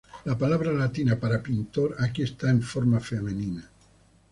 La palabra latina para "pintor" aquí está en forma femenina.